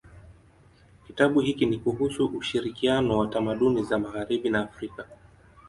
Kitabu hiki ni kuhusu ushirikiano wa tamaduni za magharibi na Afrika.